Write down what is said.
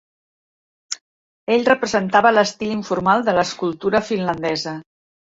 Ell representava l'estil informal de l'escultura finlandesa.